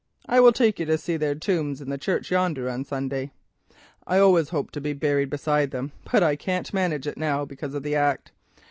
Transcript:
I will take you to see their tombs in the church yonder on Sunday. I always hoped to be buried beside them, but I can't manage it now, because of the Act.